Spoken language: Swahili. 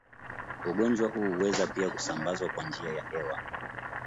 Ugonjwa huu huweza pia kusambazwa kwa njia ya hewa